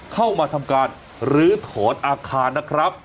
เข้ามาทำการลื้อถอนอาคารนะครับ